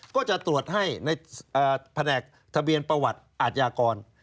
ก็จะตรวจให้ในแผนกทะเบียนประวัติอาทยากร